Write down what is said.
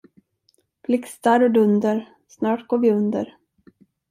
Blixtar och dunder, snart går vi under.